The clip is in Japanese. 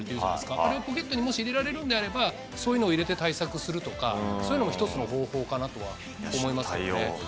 あれ、ポケットにもし、入れられるんであれば、そういうのを入れて対策するとか、そういうのも一つの方法かなと思いますけどね。